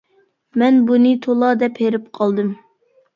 مەن بۇنى تولا دەپ ھېرىپ قالدىم.